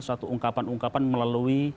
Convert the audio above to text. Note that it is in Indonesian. satu ungkapan ungkapan melalui